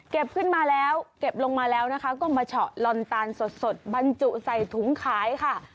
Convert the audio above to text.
ขึ้นมาแล้วเก็บลงมาแล้วนะคะก็มาเฉาะลอนตาลสดบรรจุใส่ถุงขายค่ะ